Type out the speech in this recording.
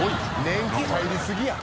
年季が入りすぎや。